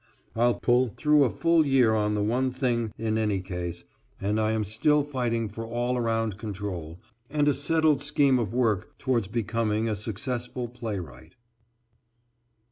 I'll pull through a full year on the one thing in any case, and I am still fighting for all around control, and a settled scheme of work towards becoming a successful playwright.